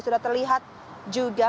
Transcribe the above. sudah terlihat juga